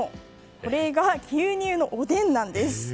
これが牛乳のおでんなんです。